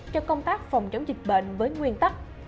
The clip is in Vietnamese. cho công tác phòng chống dịch bệnh với nguyên tắc